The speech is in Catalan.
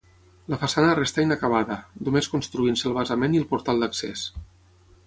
La façana restà inacabada, només construint-se el basament i el portal d'accés.